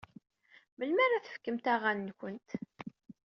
Melmi ara tfakemt aɣan-nwent?